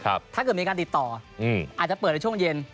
ถ้าเกิดมีการติดต่ออาจจะเปิดในช่วงเย็น